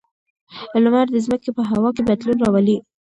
لمر د ځمکې په هوا کې بدلون راولي.